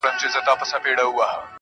خو زما هيلې له ما نه مرورې~